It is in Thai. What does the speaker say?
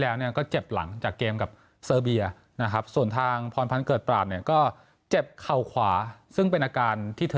แล้วก็จะทำเพื่อทีมของเราให้ได้มากที่สุดเช่นกันค่ะ